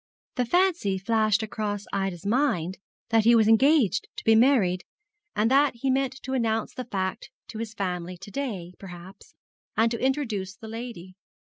The fancy flashed across Ida's mind that he was engaged to be married, and that he meant to announce the fact to his family to day, perhaps, and to introduce the lady.